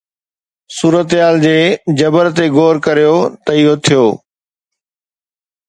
صورتحال جي جبر تي غور ڪريو ته اهو ٿيو.